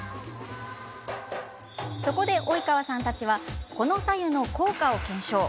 そこで、及川さんたちはこの白湯の効果を検証。